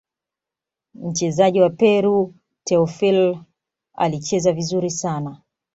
mchezaji wa peru teofile alicheza vizuri sana